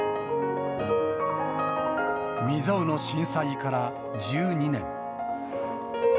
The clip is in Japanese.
未曽有の震災から１２年。